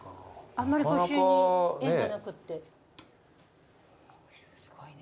あんまり御朱印に縁がなくって。